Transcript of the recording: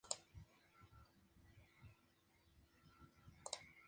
Durante este período hubo una fuerte tensión económica.